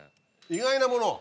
意外なもの？